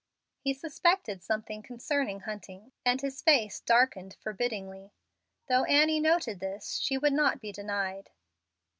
He suspected something concerning Hunting, and his face darkened forbiddingly. Though Annie noted this, she would not be denied.